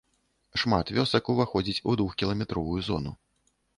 Шмат вёсак уваходзіць у двухкіламетровую зону.